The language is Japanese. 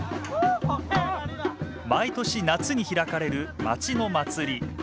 毎年夏に開かれる町の祭り。